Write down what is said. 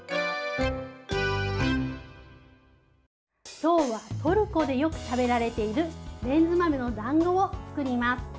きょうはトルコでよく食べられているレンズ豆のだんごを作ります。